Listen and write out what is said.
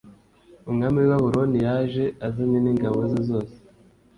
umwami w i babuloni yaje azanye n ingabo ze zose